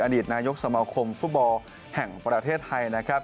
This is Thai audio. อดีตนายกสมาคมฟุตบอลแห่งประเทศไทยนะครับ